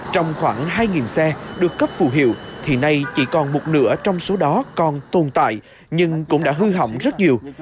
trong khoảng hai xe được cấp phù hiệu thì nay chỉ còn một nửa trong số đó còn tồn tại nhưng cũng đã hư hỏng rất nhiều